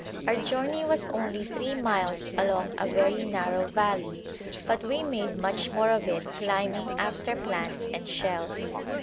Our journey was only three miles along a very narrow valley, but we made much more of it climbing after plants and shells.